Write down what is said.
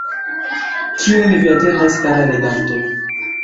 Kion Vi atendas, kara leganto?